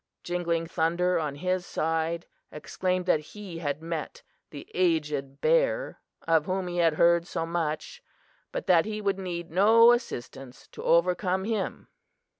Jingling Thunder, on his side, exclaimed that he had met the aged bear of whom he had heard so much, but that he would need no assistance to overcome him.